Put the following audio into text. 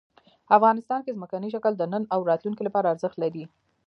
افغانستان کې ځمکنی شکل د نن او راتلونکي لپاره ارزښت لري.